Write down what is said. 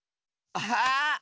ああ。